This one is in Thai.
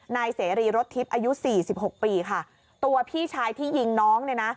นายเสรีรถทิพย์อายุสี่สิบหกปีค่ะตัวพี่ชายที่ยิงน้องเนี่ยนะ